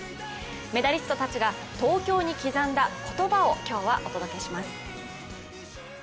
メダリストたちが東京に刻んだ言葉を今日はお届けします。